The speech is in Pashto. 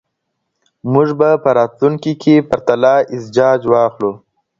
موږ به په راتلونکي کې پرتله ايز جاج واخلو.